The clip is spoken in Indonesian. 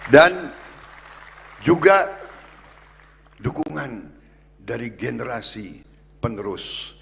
dan juga dukungan dari generasi penerus